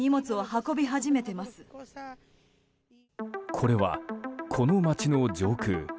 これは、この町の上空。